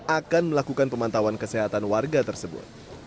akan melakukan pemantauan kesehatan warga tersebut